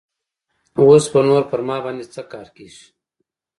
اوس به نور پر ما باندې څه کار کيږي.